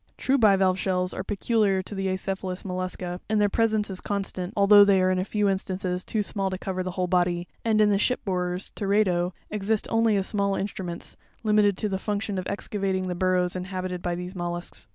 True bivalve shells are peculiar to the acephalous mollusca; and their presence is constant, although they are in a few instances too small to cover the whole body, and in the ship borers (Teredo) exist only as small instruments, limited to the function of excavating the burrows inhabited by these mollusks.